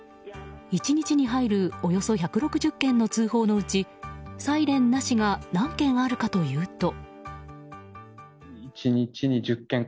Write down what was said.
１日に入るおよそ１６０件の通報のうちサイレンなしが何件あるかというと。